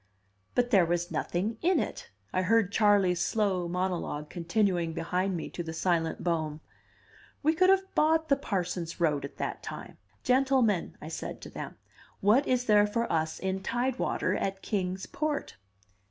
"But there was nothing in it," I heard Charley's slow monologue continuing behind me to the silent Bohm. "We could have bought the Parsons road at that time. 'Gentlemen,' I said to them, 'what is there for us in tide water at Kings Port?